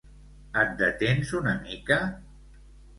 Et detens una mica?